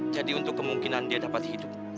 jadi untuk kemungkinan dia dapat hidup